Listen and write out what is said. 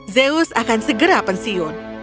zeus akan segera pensiun